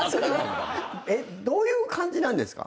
えっどういう感じなんですか？